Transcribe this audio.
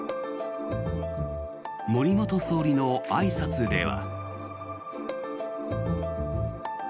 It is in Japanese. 森元総理のあいさつでは。